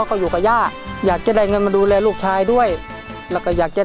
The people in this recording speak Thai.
เพลงนี้อยู่ในอาราบัมชุดแรกของคุณแจ็คเลยนะครับ